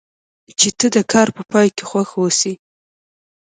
چې ته د کار په پای کې خوښ اوسې.